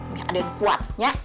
ambil aden kuat ya